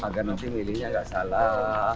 agar nanti milihnya nggak salah